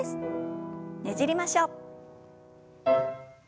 ねじりましょう。